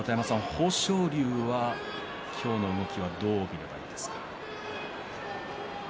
豊昇龍は今日の動きはどう見ています？